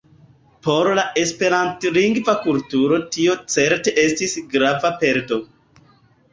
Por la Esperantlingva kulturo tio certe estis grava perdo.